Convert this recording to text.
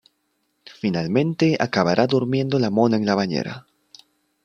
Finalmente, acabará durmiendo la mona en la bañera.